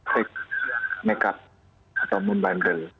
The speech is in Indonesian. tek nekat atau membandel